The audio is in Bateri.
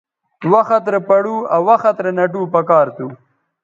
وخت رے پڑو آ وخت رے نَٹو پکار تھو